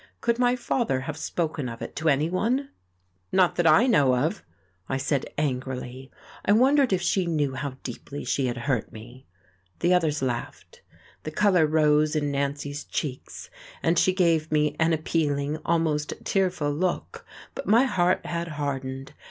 Could my father have spoken of it to anyone? "Not that I know of," I said angrily. I wondered if she knew how deeply she had hurt me. The others laughed. The colour rose in Nancy's cheeks, and she gave me an appealing, almost tearful look, but my heart had hardened.